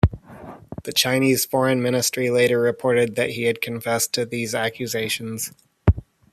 The Chinese Foreign Ministry later reported that he had confessed to these accusations.